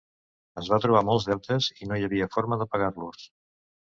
Es va trobar molts deutes i no hi havia forma de pagar-los.